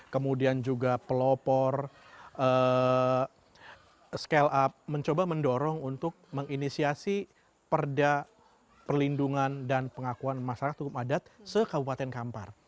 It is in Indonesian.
kemudian juga pelopor scale up mencoba mendorong untuk menginisiasi perda perlindungan dan pengakuan masyarakat hukum adat sekabupaten kampar